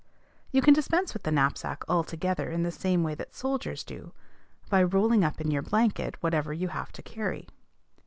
You can dispense with the knapsack altogether in the same way that soldiers do, by rolling up in your blanket whatever you have to carry.